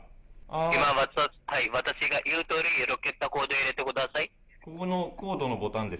今、私が言うとおり、６桁のコード入れてください。